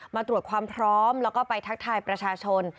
มาตรวจความพร้อมแล้วก็ไปทักทายประชาชน